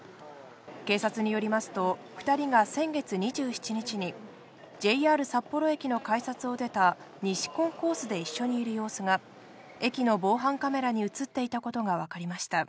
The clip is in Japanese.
警察によりますと、２人が先月２７日に、ＪＲ札幌駅の改札を出た、西コンコースで一緒にいる様子が、駅の防犯カメラに写っていたことが分かりました。